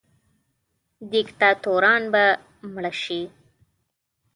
دیکتاتوران به مړه سي.